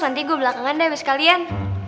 nanti gue belakangan deh ibu sekalian